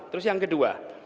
terus yang kedua